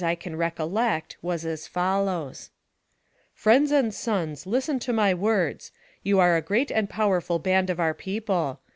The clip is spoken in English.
T can recollect, was as follows :" Friends and sons, listen to my words. You are a great and powerful band of our people.